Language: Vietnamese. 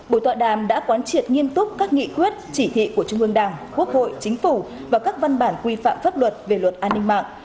buổi tọa đàm đã quán triệt nghiêm túc các nghị quyết chỉ thị của trung ương đảng quốc hội chính phủ và các văn bản quy phạm pháp luật về luật an ninh mạng